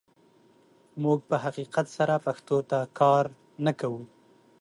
موږ په حقیقت سره پښتو ته کار نه کوو.